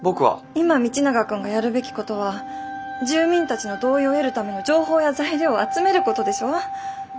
今道永君がやるべきことは住民たちの同意を得るための情報や材料を集めることでしょ？